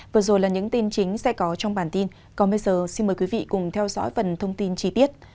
vừa rồi là những tin chính sẽ có trong bản tin còn bây giờ xin mời quý vị cùng theo dõi phần thông tin chi tiết